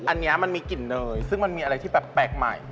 อันนี้มันมีกลิ่นเนยซึ่งมันมีอะไรที่แบบแปลกใหม่